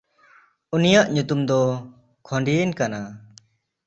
ᱩᱱᱤᱭᱟᱜ ᱧᱩᱛᱩᱢ ᱫᱚ ᱠᱷᱚᱰᱭᱤᱱ ᱠᱟᱱᱟ᱾